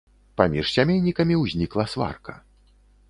Паміж сямейнікамі ўзнікла сварка.